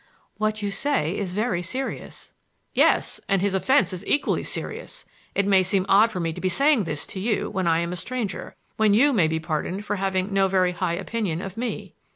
"What you say is very serious." "Yes, and his offense is equally serious. It may seem odd for me to be saying this to you when I am a stranger; when you may be pardoned for having no very high opinion of me."